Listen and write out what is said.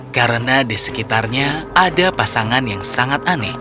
karena di sekitarnya ada pasangan yang sangat aneh